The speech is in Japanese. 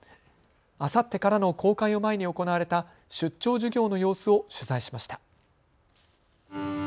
あさってからの公開を前に行われた出張授業の様子を取材しました。